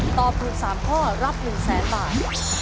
ตอบถูก๓ข้อรับ๑๐๐๐๐๐๐บาท